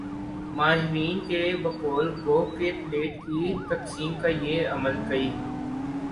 ماہرین کی بقول گو کہ پلیٹ کی تقسیم کا یہ عمل کئی